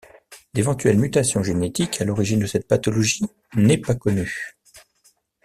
L’éventuelle mutation génétique à l'origine de cette pathologie n’est pas connue.